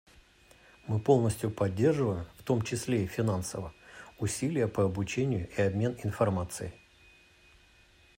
Мы полностью поддерживаем, в том числе и финансово, усилия по обучению и обмен информацией.